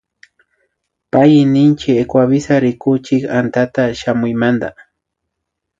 Payki ninchi Ecuavisa rikuchik antata shamuymanta